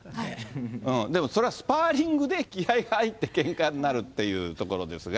でもそれはスパーリングで気合い入ってけんかになるっていうところですが。